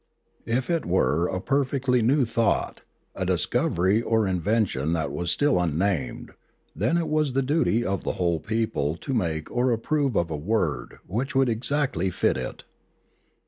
If it were a perfectly new thought, a discovery or invention that was still unnamed, then it was the duty of the whole Literature 411 people to make or approve of a word which would ex actly fit it.